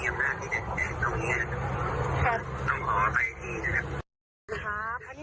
ต้องขอไปที่